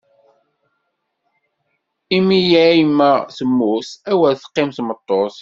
Imiyeimma temmut, awer teqqim tmeṭṭut!